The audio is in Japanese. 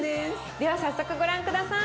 では早速ご覧下さい。